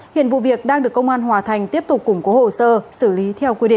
hiện vụ việc đang được công an hòa thành tiếp tục củng cố hồ sơ xử lý theo quy định